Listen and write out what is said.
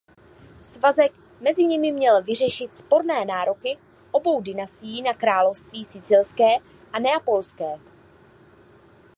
Svazek mezi nimi měl vyřešit sporné nároky obou dynastií na království sicilské a neapolské.